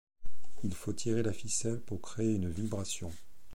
Il faut tirer la ficelle pour créer une vibration.